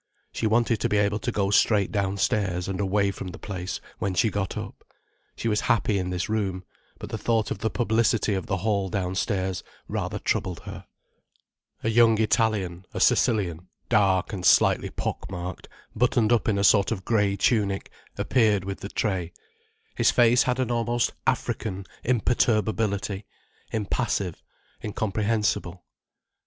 She wanted to be able to go straight downstairs and away from the place, when she got up. She was happy in this room, but the thought of the publicity of the hall downstairs rather troubled her. A young Italian, a Sicilian, dark and slightly pock marked, buttoned up in a sort of grey tunic, appeared with the tray. His face had an almost African imperturbability, impassive, incomprehensible.